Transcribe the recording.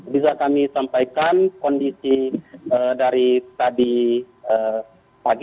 bisa kami sampaikan kondisi dari tadi pagi